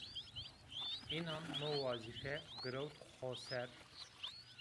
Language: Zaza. Înan no wezîfe girewt xo ser